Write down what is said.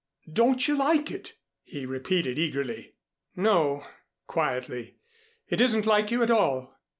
"Don't you like it?" he repeated eagerly. "No," quietly. "It isn't like you at all."